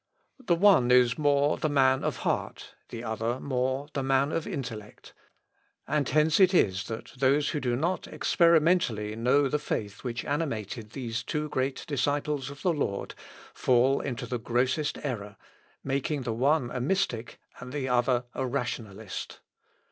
The one is more the man of heart, the other more the man of intellect; and hence it is that those who do not experimentally know the faith which animated these two great disciples of the Lord, fall into the grossest error, making the one a mystic and the other a rationalist.